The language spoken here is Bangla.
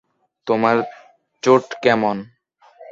তোমার চোট কেমন?